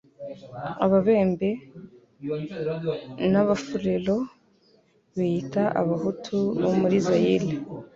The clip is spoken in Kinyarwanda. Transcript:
Ababembe n'Abafulero biyitaga Abahutu bo muri Zaire